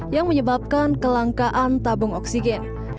yang menyebabkan kelangkaan tabung oksigen